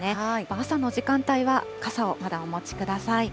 朝の時間帯は傘をまだお持ちください。